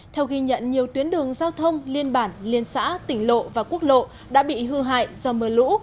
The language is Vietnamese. theo ghi nhận nhiều tuyến đường giao thông liên bản liên xã tỉnh lộ và quốc lộ đã bị hư hại do mưa lũ